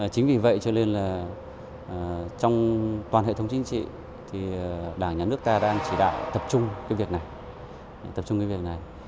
chính vì vậy cho nên là trong toàn hệ thống chính trị đảng nhà nước ta đang chỉ đạo tập trung cái việc này